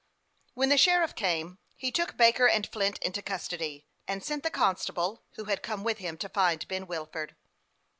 When the sheriff came, he took Baker and Flint into custody, and sent the constable who had come with him to find Ben Wilford.